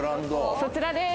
そちらです。